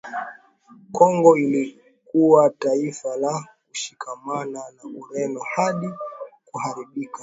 Kongo ilikuwa taifa la kushikamana na Ureno hadi kuharibika